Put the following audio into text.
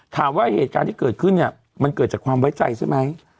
ถามว่าเหตุการณ์ที่เกิดขึ้นเนี่ยมันเกิดจากความไว้ใจใช่ไหม